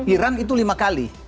iran itu lima kali